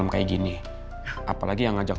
aku udah selalu ingat